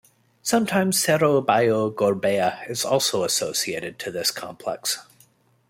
Sometimes Cerro Bayo Gorbea is also associated to this complex.